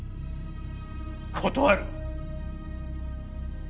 断る。